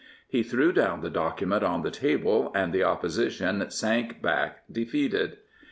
He threw down the document on the table, and the Oppo sition sank back defeated.